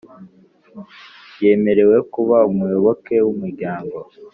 yemererwe kuba umuyoboke w’umuryango